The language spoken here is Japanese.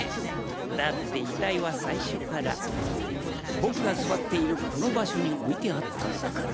だって遺体は最初から僕が座っているこの場所に置いてあったんだから。